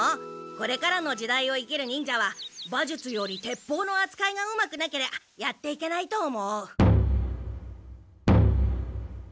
これからの時代を生きる忍者は馬術より鉄砲のあつかいがうまくなけりゃやっていけないと思う。